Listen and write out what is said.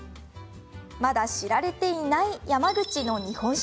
まだ知られていない山口の日本酒。